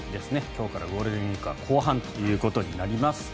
今日からゴールデンウィークは後半ということになります。